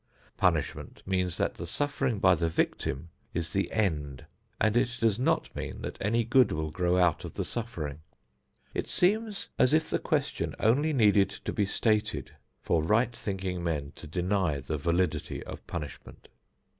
Punishment means that the suffering by the victim is the end, and it does not mean that any good will grow out of the suffering. It seems as if the question only needed to be stated for right thinking men to deny the validity of punishment.